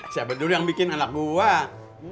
siapa dulu yang bikin anak buah